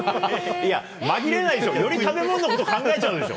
いや、紛れないでしょ、より食べ物のことを考えちゃうでしょ。